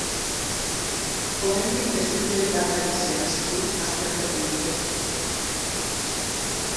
Oraindik ez dute datarik zehaztu azterketa egiteko.